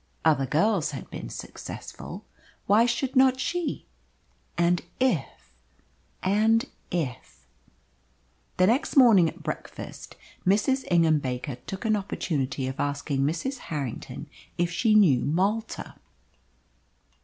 Other girls had been successful. Why should not she? And if and if The next morning at breakfast Mrs. Ingham Baker took an opportunity of asking Mrs. Harrington if she knew Malta.